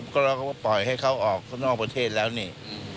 ก็เราก็ปล่อยให้เขาออกนอกประเทศแล้วนี่